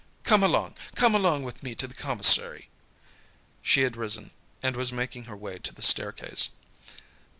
Come along, come along with me to the commissary." She had risen, and was making her way to the staircase.